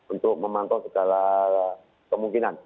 untuk memantau segala kemungkinan